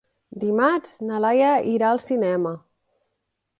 Dimarts na Laia irà al cinema.